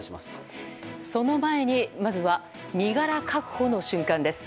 その前に、まずは身柄確保の瞬間です。